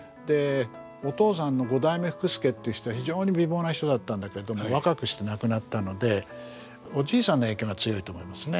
お父さんの五代目福助っていう人は非常に美貌な人だったんだけども若くして亡くなったのでおじいさんの影響が強いと思いますね。